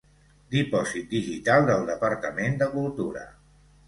Dipòsit Digital del Departament de Cultura.